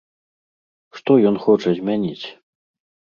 Што ён хоча змяніць?